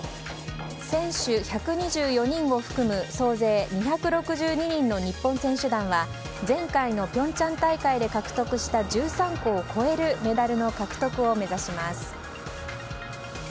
選手１２４人を含む総勢２６２人の日本選手団は前回の平昌大会で獲得した１３個を超えるメダルの獲得を目指します。